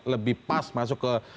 lebih pas masuk ke